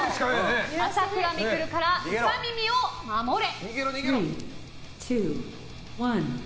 朝倉未来からウサ耳を守れ！